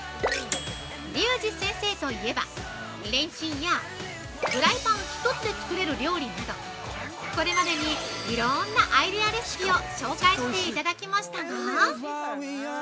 リュウジ先生といえば、レンチンやフライパン１つで作れる料理など、これまでに、いろんなアイデアレシピを紹介していただきましたが。